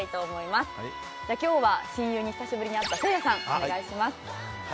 今日は親友に久しぶりに会ったせいやさんお願いします。